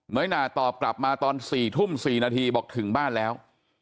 น้อยนาตอบกลับมาตอนสี่ทุ่มสี่นาทีบอกถึงบ้านแล้ว